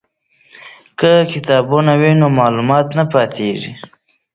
که کتابتون وي نو معلومات نه پاتیږي.